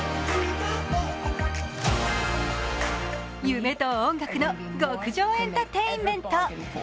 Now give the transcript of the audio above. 夢と音楽の極上エンタテインメント。